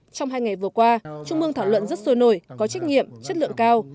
trong hai ngày vừa qua trung mương thảo luận rất sôi nổi có trách nhiệm chất lượng cao